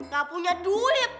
gak punya duit